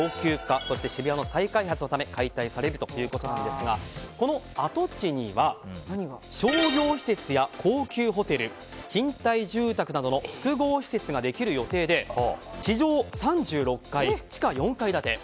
そして、渋谷の再開発のため解体されるということですがこの跡地には商業施設や高級ホテル賃貸住宅などの複合施設ができる予定で地上３６階、地下４階建て。